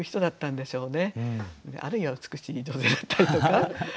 あるいは美しい女性だったりとか。